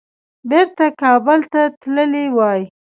بیرته کابل ته تللي وای.